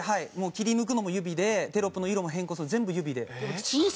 切り抜くのも指でテロップの色を変更するのも全部指で。